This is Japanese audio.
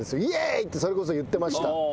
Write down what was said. ってそれこそ言ってました。